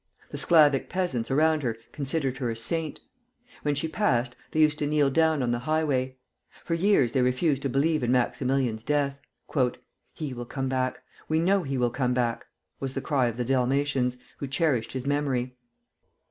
The Sclavic peasants around her considered her a saint. When she passed, they used to kneel down on the highway. For years they refused to believe in Maximilian's death. "He will come back! We know he will come back!" was the cry of the Dalmatians, who cherished his memory.